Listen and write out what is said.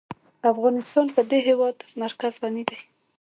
افغانستان په د هېواد مرکز غني دی.